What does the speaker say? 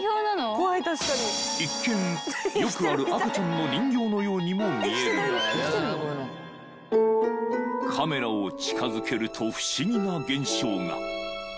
一見よくある赤ちゃんの人形のようにも見えるがカメラを近づけると不思議な現象が！